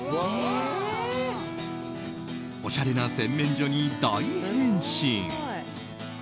おしゃれな洗面所に大変身。